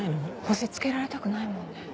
星つけられたくないもんね。